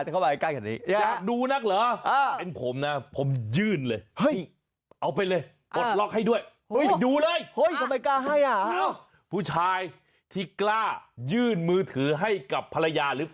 ก็เขาส่งให้มิเชฟนี่นะถูกหรอใช่มั้ยมิเชฟ